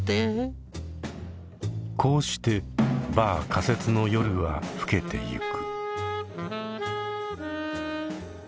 こうしてＢＡＲ仮説の夜は更けていく。